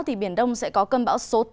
thì biển đông sẽ có cơn bão số tám